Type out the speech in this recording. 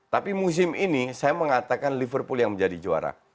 tapi musim ini saya mengatakan liverpool yang menjadi juara